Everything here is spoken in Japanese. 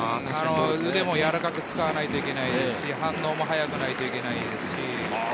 腕をやわらかく使えないといけないし、反応も早くないといけない。